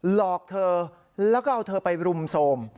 หลอกเธอแล้วก็เอาเธอไปรุมโทรม